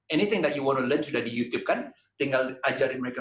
anything that you want to learn sudah di youtube kan tinggal ajarin mereka